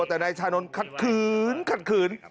แต่นายชานนท์ขัดขืน